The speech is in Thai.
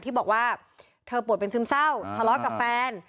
ที่บอกว่าเธอป่วยเป็นซึมเศร้าทะเลาะกับแฟน